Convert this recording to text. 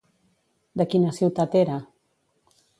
De quina ciutat era?